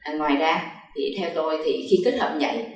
ngoài ra thì theo tôi thì khi kết hợp như vậy